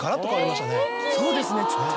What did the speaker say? そうですねちょっと。